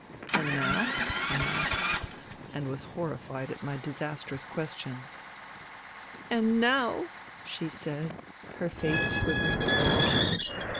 " And now ?" I asked, and was horrified at my disastrous question. " And now," she said, her face quivering with emotion